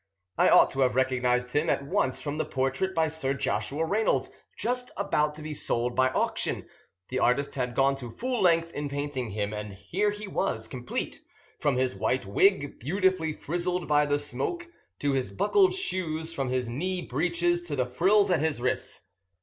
I ought to have recognised him at once from the portrait by Sir Joshua Reynolds, just about to be sold by auction. The artist had gone to full length in painting him, and here he was complete, from his white wig, beautifully frizzled by the smoke, to his buckled shoes, from his knee breeches to the frills at his wrists.